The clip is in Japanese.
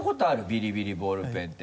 「ビリビリボールペン」って？